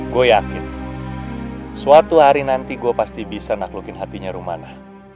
gue yakin suatu hari nanti gue pasti bisa naklukin hatinya rumana